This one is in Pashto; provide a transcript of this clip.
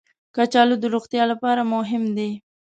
کچالو د روغتیا لپاره مهم دي